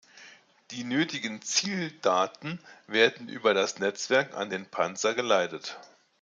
Die nötigen Zieldaten werden über das Netzwerk an den Panzer geleitet.